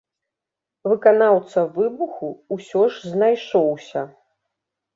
Выканаўца выбуху ўсё ж знайшоўся.